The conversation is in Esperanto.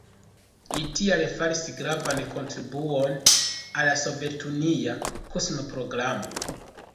Li tial faris gravan kontribuon al la sovetunia kosma programo.